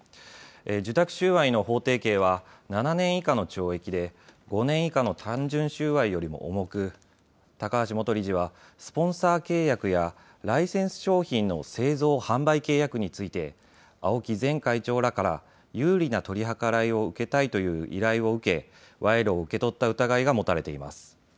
受託収賄の法定刑は７年以下の懲役で５年以下の単純収賄よりも重く高橋元理事はスポンサー契約やライセンス商品の製造・販売契約について青木前会長らから有利な取り計らいを受けたいという依頼を受け、賄賂を受け取った疑いが持たれています。